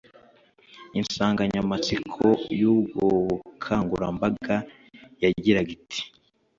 Insanganyamatsiko y’ubwo bukangurambaga yagiraga iti